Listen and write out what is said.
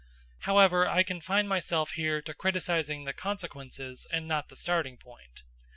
However, I confine myself here to criticising the consequences and not the starting point.